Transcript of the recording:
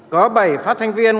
có bảy phát hành viên